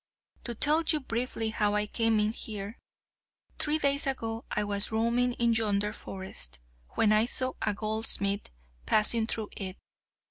To tell you briefly how I came in here: Three days ago I was roaming in yonder forest, when I saw a goldsmith passing through it.